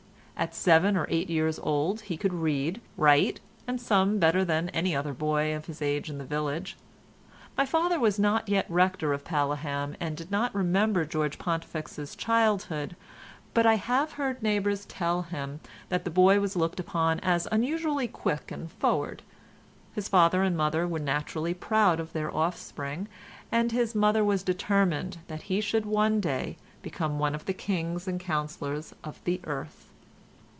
At seven or eight years old he could read, write and sum better than any other boy of his age in the village. My father was not yet rector of Paleham, and did not remember George Pontifex's childhood, but I have heard neighbours tell him that the boy was looked upon as unusually quick and forward. His father and mother were naturally proud of their offspring, and his mother was determined that he should one day become one of the kings and councillors of the earth.